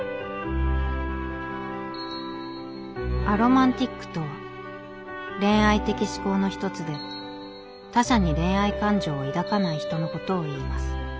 「アロマンティックとは恋愛的指向の一つで他者に恋愛感情を抱かない人のことをいいます」